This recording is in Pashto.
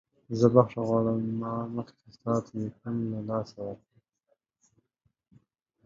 زه بخښنه غواړم چې ما مخکې ستاسو تلیفون له لاسه ورکړ.